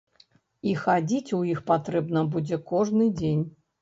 І хадзіць у іх патрэбна будзе кожны дзень.